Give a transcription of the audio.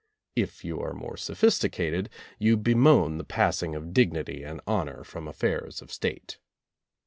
If you are more sophisticated you bemoan the passing of dignity and honor from affairs of State.